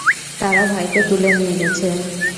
তারা ভাইকে তুলে নিয়ে গেছে।